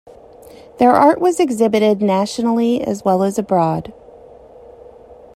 Their art was exhibited nationally as well as abroad.